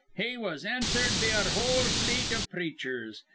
He was answered be our whole fleet iv preachers.